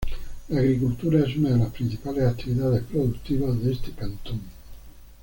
La agricultura es una de las principales actividades productivas de este cantón.